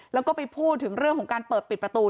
แล้วก็ไปพูดถึงเรื่องของการเปิดปิดประตู